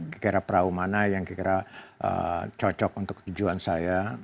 kira kira perahu mana yang kira kira cocok untuk tujuan saya